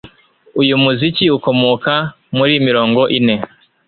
Uyu muziki ukomoka muri mirongo ine